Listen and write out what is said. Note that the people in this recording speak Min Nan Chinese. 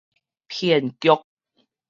騙局